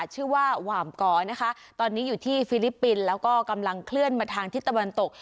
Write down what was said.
ชื่อว่าหว่ามกอนะคะตอนนี้อยู่ที่ฟิลิปปินส์แล้วก็กำลังเคลื่อนมาทางทิศตะวันตก